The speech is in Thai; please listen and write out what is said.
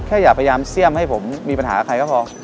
อย่าพยายามเสี่ยมให้ผมมีปัญหากับใครก็พอ